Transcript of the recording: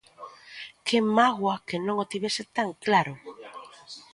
¡Que mágoa que non o tivese tan claro!